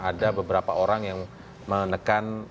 ada beberapa orang yang menekan